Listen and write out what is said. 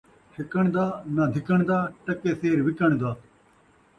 چھِکݨ دا ناں دِھکݨ دا، ٹکے سیر وِکݨ دا